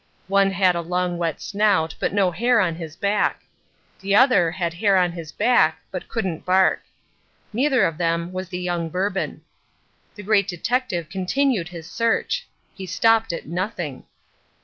One had a long wet snout but no hair on his back. The other had hair on his back but couldn't bark. Neither of them was the young Bourbon. The Great Detective continued his search. He stopped at nothing.